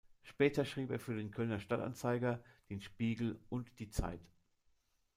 Später schrieb er für den "Kölner Stadtanzeiger", den "Spiegel" und die "Zeit".